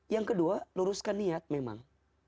yang kedua luruskan niat memang